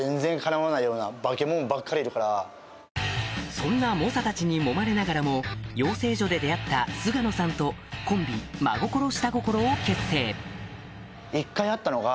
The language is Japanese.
そんな猛者たちにもまれながらも養成所で出会った菅野さんと確かその時。